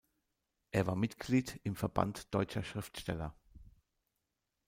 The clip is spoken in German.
Er war Mitglied im Verband deutscher Schriftsteller.